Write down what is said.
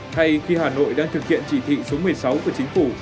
thay khi hà nội đang thực hiện chỉ thị số một mươi sáu của chính phủ